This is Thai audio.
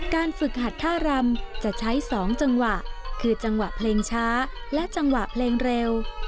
การฝึกหัดท่ารำจะใช้๒จังหวะคือจังหวะเพลงช้าและจังหวะเพลงเร็ว